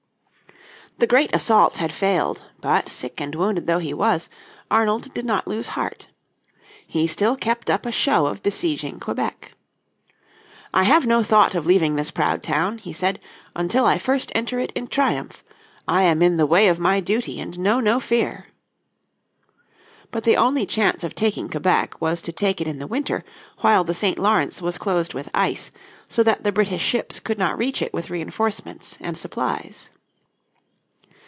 The great assault had failed, but sick and wounded though he was, Arnold did not lose heart. He still kept up a show of besieging Quebec. "I have no thought of leaving this proud town, " he said, "until I first enter it in triumph. I am in the way of my duty and know no fear." But the only chance of taking Quebec was to take it in the winter, while the St. Lawrence was closed with ice, so that the British ships could not reach it with reinforcements and supplies.